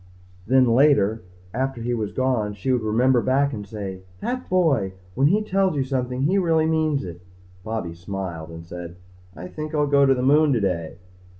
Then later, after he was gone, she would remember back and say, That boy! When he tells you something he really means it. Bobby smiled and said, "I think I'll go to the moon today."